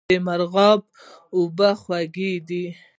د مرغاب اوبه خوږې دي